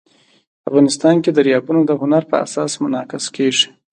افغانستان کې دریابونه د هنر په اثار کې منعکس کېږي.